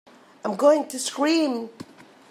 I'm going to scream!